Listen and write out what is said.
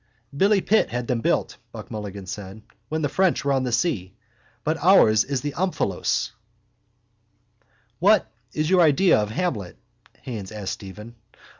—Billy Pitt had them built, Buck Mulligan said, when the French were on the sea. But ours is the omphalos. —What is your idea of Hamlet? Haines asked Stephen.